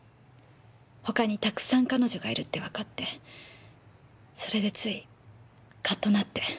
他にたくさん彼女がいるってわかってそれでついカッとなって。